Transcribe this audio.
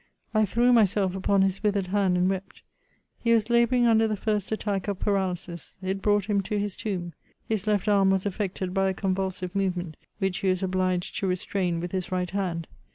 I threw myself upon his withered hand and wept. He was labouring under the first attack of paralysis ; it brought him to his tomb ; his left arm was affected by a convulsive movement, which he was obliged to restrain with his right hand.